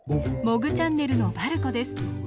モグチャンネルのばるこです。